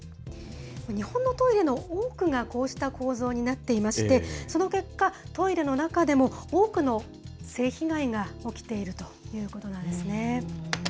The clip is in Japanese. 日本のトイレの多くが、こうした構造になっていまして、その結果、トイレの中でも多くの性被害が起きているということなんですね。